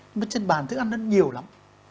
nhưng mà trên bàn thức ăn rất nhiều lắm